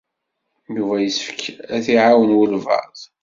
Yuba yessefk ad t-iɛawen walbaɛḍ.